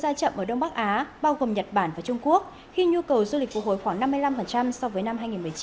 quá trình phục hồi cũng diễn ra chậm ở đông bắc á bao gồm nhật bản và trung quốc khi nhu cầu du lịch phục hồi khoảng năm mươi năm so với năm hai nghìn một mươi chín